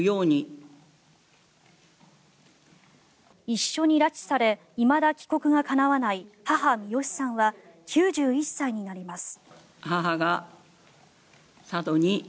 一緒に拉致されいまだ帰国がかなわない母・ミヨシさんは９１歳になります。